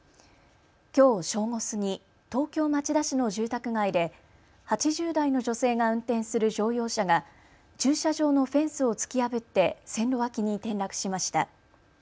きょう正午過ぎ、東京町田市の住宅街で８０代の女性が運転する乗用車が駐車場のフェンスを突き破って線路脇に転落しました。